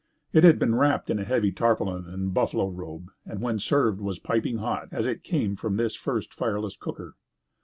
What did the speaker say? It had been wrapped in a heavy tarpaulin and buffalo robe and when served was piping hot, as it came from this first fireless cooker.